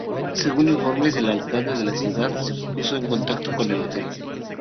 Según informes, el alcalde de la ciudad se puso en contacto con el hotel.